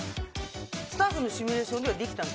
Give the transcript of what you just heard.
スタッフのシミュレーションではできたの？